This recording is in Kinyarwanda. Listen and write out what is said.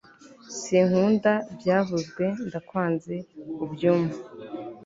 sinkunda, byavuzwe, ndakwanze ubyum